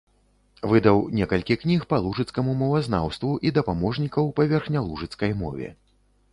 Выдаў некалькі кніг па лужыцкаму мовазнаўству і дапаможнікаў па верхнялужыцкай мове.